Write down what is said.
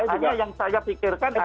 hanya yang saya pikirkan adalah